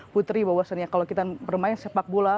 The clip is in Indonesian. putri bahwasannya kalau kita bermain sepak bola